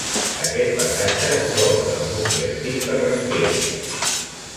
Aquest passatge es troba en el nucli antic de Rasquera.